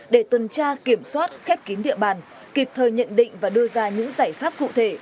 để tuần tra kiểm soát khép kín địa bàn kịp thời nhận định và đưa ra những giải pháp cụ thể